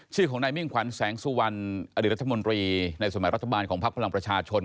ชื่อของนายมิ่งขวัญแสงสุวรรณอดีตรัฐมนตรีในสมัยรัฐบาลของพักพลังประชาชน